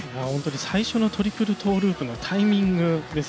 本当に最初のトリプルトーループのタイミング。